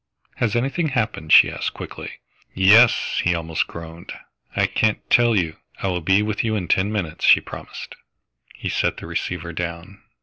"Has anything happened?" she asked quickly. "Yes!" he almost groaned. "I can't tell you " "I will be with you in ten minutes," she promised. He set the receiver down.